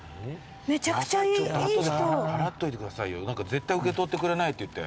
絶対受け取ってくれないって言って。